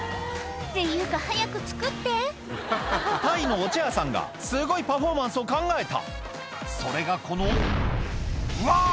っていうか早く作ってタイのお茶屋さんがすごいパフォーマンスを考えたそれがこのうわ！